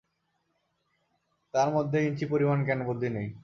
তার মধ্যে ইঞ্চি পরিমাণ জ্ঞান-বুদ্ধি নেই।